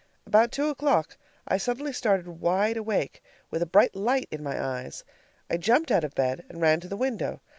About two o'clock I suddenly started wide awake, with a bright light in my eyes. I jumped out of bed and ran to the window.